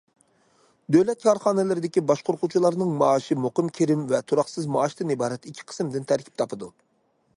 دۆلەت كارخانىلىرىدىكى باشقۇرغۇچىلارنىڭ مائاشى مۇقىم كىرىم ۋە تۇراقسىز مائاشتىن ئىبارەت ئىككى قىسىمدىن تەركىب تاپىدۇ.